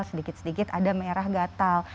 sedikit sedikit ada merah gatal